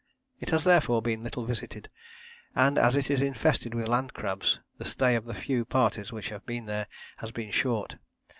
It has therefore been little visited, and as it is infested with land crabs the stay of the few parties which have been there has been short.